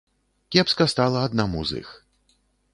Кепска стала аднаму з іх.